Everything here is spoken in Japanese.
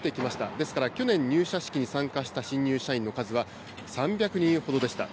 ですから去年入社式に参加した新入社員の数は３００人ほどでした。